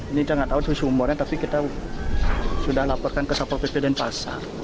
ini kita nggak tahu sumbernya tapi kita sudah laporkan ke sapo pp dan pasar